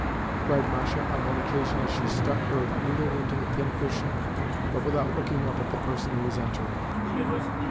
_" cried Masha on one occasion as she stuck her needle into the pincushion, but without looking up at the person who was entering.